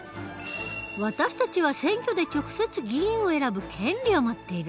私たちは選挙で直接議員を選ぶ権利を持っている。